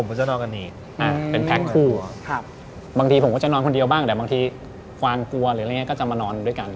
เป็นแพ็คคู่บางทีผมก็จะนอนคนเดียวบ้างแต่บางทีความกลัวก็จะมานอนด้วยกัน